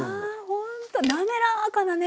ほんと滑らかなね。